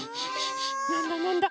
なんだなんだ？